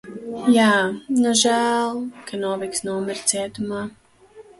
Jā, nu žēl, ka Noviks nomira cietumā.